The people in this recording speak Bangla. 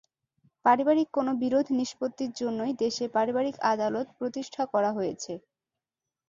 পারিবারিক কোনো বিরোধ নিষ্পত্তির জন্যই দেশে পারিবারিক আদালত প্রতিষ্ঠা করা হয়েছে।